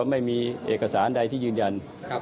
ไม่มีเอกสารใดที่ยืนยัน